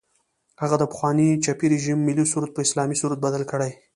هغه د پخواني چپي رژیم ملي سرود په اسلامي سرود بدل کړي.